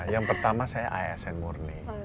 yang pertama saya a s n murni